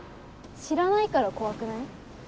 知らないから怖くない？